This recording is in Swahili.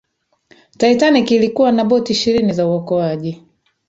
titanic ilikuwa na boti ishirini za uokoaji